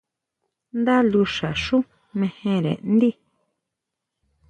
Ndá luxa xú mejere ndíi.